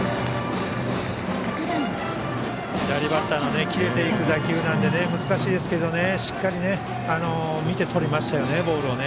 左バッターの切れていく打球なので難しいですけどしっかりボールを見てとりましたね。